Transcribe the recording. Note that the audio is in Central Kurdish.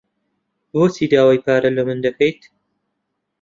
بۆچی داوای پارە لە من دەکەیت؟